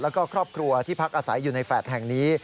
แล้วก็ครอบครัวที่พักอาศัยอยู่ในแฟลต์แห่งนี้